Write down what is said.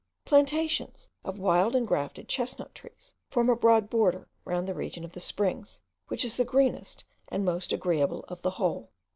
Plantations of wild and grafted chestnut trees form a broad border round the region of the springs, which is the greenest and most agreeable of the whole.